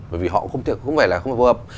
bởi vì họ không thể không phải là không phù hợp